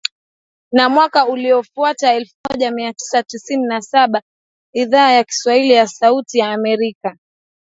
Na mwaka uliofuata elfu moja mia tisa tisini na saba Idhaa ya Kiswahili ya Sauti ya Amerika